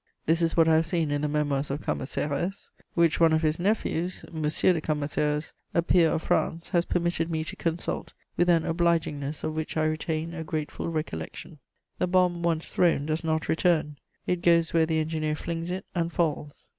This is what I have seen in the Memoirs of Cambacérès, which one of his nephews, M. de Cambacérès, a peer of France, has permitted me to consult with an obligingness of which I retain a grateful recollection. The bomb once thrown does not return: it goes where the engineer flings it, and falls.